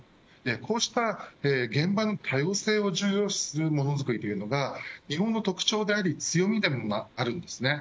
こうした現場の多様性を重要視するモノづくりというのが日本の特徴であり強みにもあるんです。